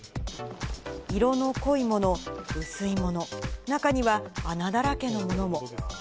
色の濃いもの、薄いもの、中には穴だらけのものも。